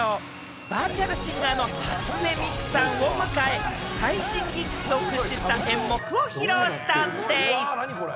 バーチャルシンガーの初音ミクさんと最新技術を駆使した演目を披露したんでぃす。